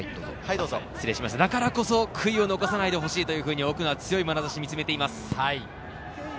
だからこそ悔いを残さないでほしいというふうに奥野は強いまなざしで見つめています。